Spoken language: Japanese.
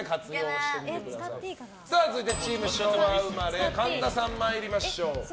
チーム昭和生まれ神田さん、参りましょう。